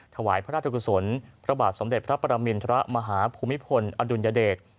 ถวายพระราชกุศลพระบาทสมเด็จพระปรมินทรมาฮภูมิพลอดุลยเดช